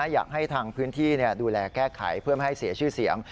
อยากให้ทางพื้นที่ดูแลแก้ไขเพื่อไม่ให้เสียชื่อเสียง